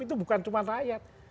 itu bukan cuma rakyat